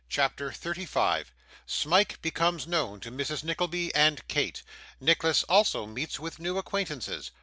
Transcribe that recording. CHAPTER 35 Smike becomes known to Mrs. Nickleby and Kate. Nicholas also meets with new Acquaintances.